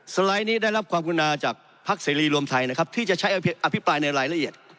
ไลด์นี้ได้รับความกุณาจากพักเสรีรวมไทยนะครับที่จะใช้อภิปรายในรายละเอียด